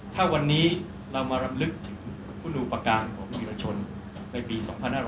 ถ้าวันนี้เรามารำลึกถึงคุณอุปการณ์ของทีรชนในปี๒๕๖๐